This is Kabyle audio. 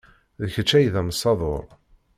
D kečč ay d amsadur.